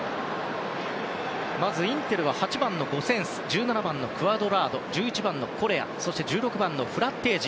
インテルは８番、ゴセンスクアドラード１１番のコレアそして１６番、フラッテージ。